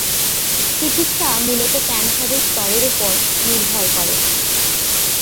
চিকিৎসা মূলত ক্যান্সারের স্তরের উপর নির্ভর করে।